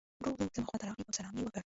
ورو ورو زما خواته راغی او سلام یې وکړ.